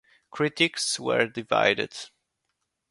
Critics were divided.